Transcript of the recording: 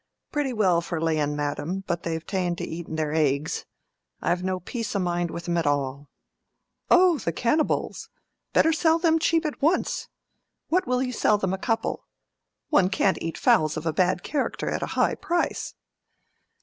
"Pretty well for laying, madam, but they've ta'en to eating their eggs: I've no peace o' mind with 'em at all." "Oh, the cannibals! Better sell them cheap at once. What will you sell them a couple? One can't eat fowls of a bad character at a high price."